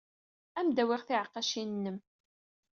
Ad am-d-awyeɣ tiɛeqqacin-nnem.